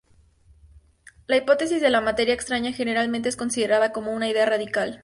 La hipótesis de la materia extraña generalmente es considerada como una idea radical.